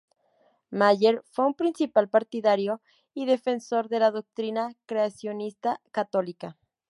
Mayer fue un principal partidario y defensor de la doctrina creacionista católica.